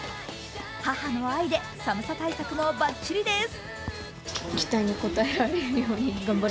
母の愛で寒さ対策もバッチリです。